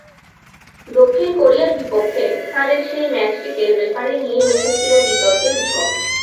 দক্ষিণ কোরিয়ার বিপক্ষে হারের সেই ম্যাচটিতে রেফারি নিয়ে উঠেছিল বিতর্কের ঝড়।